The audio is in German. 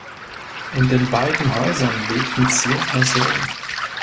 In den beiden Häusern lebten zehn Personen.